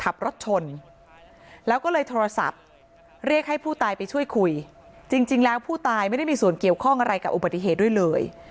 ขับรถชนแล้วก็เลยโทรศัพท์เรียกให้ผู้ตายไปช่วยคุยจริงแล้วผู้ตายไม่ได้มีส่วนเกี่ยวข้องอะไรกับอุบัติเหตุด้วยเลย